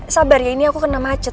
sabar ya ini aku kena macet